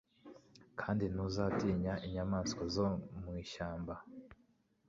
kandi ntuzatinya inyamaswa zo mu ishyamba